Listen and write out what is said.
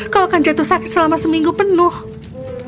kau akan jatuh sakit selama seminggu penuh